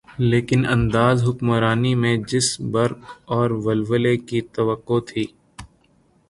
لیکن انداز حکمرانی میں جس برق اورولولے کی توقع تھی۔